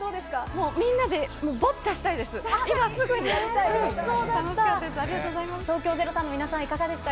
もうみんなで、ボッチャしたいです。